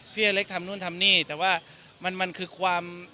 พี่อเล็กทำนู่นทำนี่แต่ว่ามันคือความ